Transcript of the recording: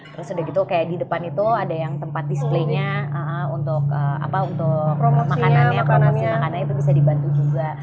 terus udah gitu kayak di depan itu ada yang tempat display nya untuk makanannya konsumsi makanan itu bisa dibantu juga